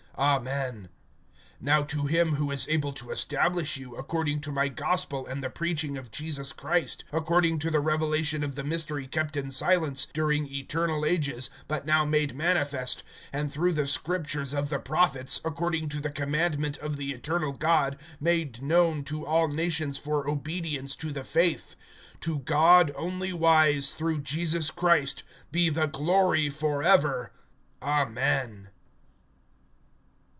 Amen. (25)Now to him who is able to establish you, according to my gospel and the preaching of Jesus Christ, according to the revelation of the mystery kept in silence during eternal ages (26)but now made manifest, and through the scriptures of the prophets, according to the commandment of the eternal God, made known to all nations for obedience to the faith, (27)to God only wise, through Jesus Christ, be the glory forever. Amen.